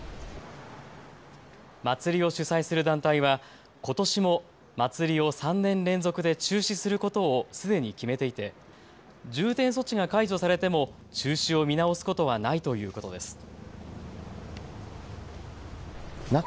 祭りを主催する団体はことしも祭りを３年連続で中止することをすでに決めていて重点措置が解除されても中止を見直すことはないということです。